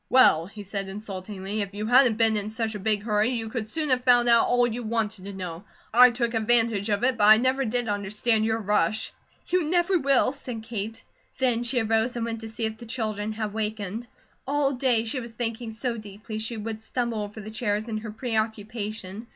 "Well," he said insultingly, "if you hadn't been in such a big hurry, you could soon have found out all you wanted to know. I took advantage of it, but I never did understand your rush." "You never will," said Kate. Then she arose and went to see if the children had wakened. All day she was thinking so deeply she would stumble over the chairs in her preoccupation.